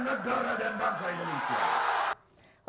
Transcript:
negara dan bangsa indonesia